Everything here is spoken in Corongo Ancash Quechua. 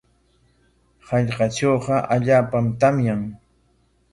Hallqatrawqa allaapam tamyan.